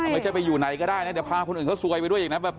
ไม่ใช่ไปอยู่ไหนก็ได้นะเดี๋ยวพาคนอื่นเขาซวยไปด้วยอีกนะ